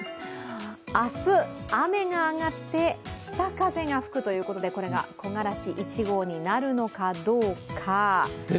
明日、雨が上がって北風が吹くということでこれが木枯らし１号になるのかどうか。